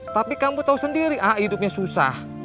tapi kamu tau sendiri aai hidupnya susah